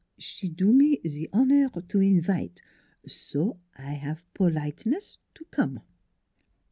S'e do me ze honeur to invite, so I 'ave politeness to come."